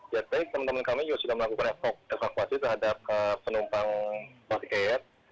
ya baik teman teman kami juga sudah melakukan evakuasi terhadap penumpang basket